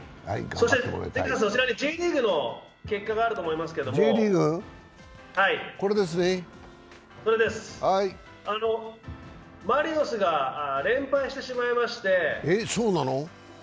そしてＪリーグの結果がそちらにあると思いますがマリノスが連敗してしまいました。